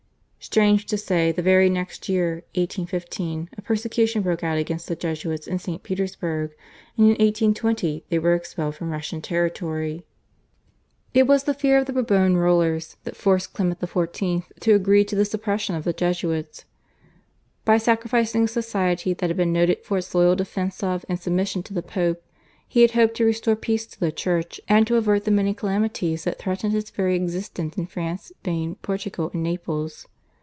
Strange to say the very next year (1815) a persecution broke out against the Jesuits in Saint Petersburg, and in 1820 they were expelled from Russian territory. It was fear of the Bourbon rulers that forced Clement XIV. to agree to the suppression of the Jesuits. By sacrificing a society that had been noted for its loyal defence of and submission to the Pope, he had hoped to restore peace to the Church, and to avert the many calamities that threatened its very existence in France, Spain, Portugal, and Naples.